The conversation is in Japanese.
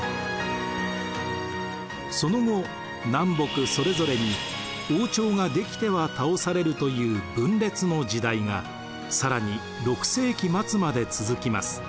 その後南北それぞれに王朝が出来ては倒されるという分裂の時代が更に６世紀末まで続きます。